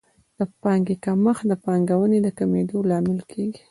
د پانګې کمښت د پانګونې د کمېدو لامل کیږي.